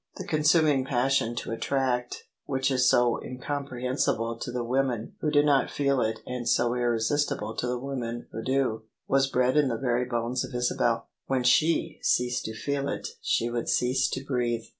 The consuming passion to attract, which is so incomprehen sible to the women who do not feel it and so irresistible to the women who do, was bred in the very bones of Isabel: when she ceased to feel it she would cease to breathe.